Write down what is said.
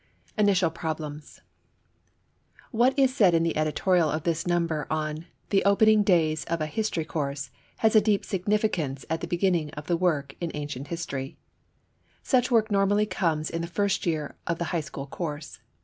Initial Problems. What is said in the editorial of this number on "The Opening Days of a History Course" has a deep significance at the beginning of the work in Ancient History. Such work normally comes in the first year of the high school course.